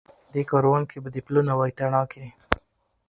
دې کاروان کي به دي پلونه وای تڼاکي